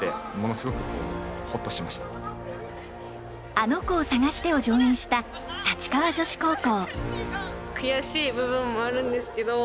「あのこをさがして」を上演した立川女子高校。